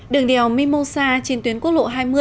đường đèo mimosa trên tuyến quốc lộ hai mươi